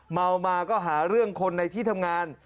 เมามาก็หาเรื่องคนในที่ทำงาน